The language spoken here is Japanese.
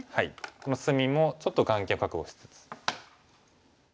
この隅もちょっと眼形を確保しつつ。